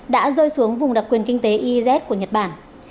đã rơi xuống vùng đặc quyền kinh tế iz của nhật bản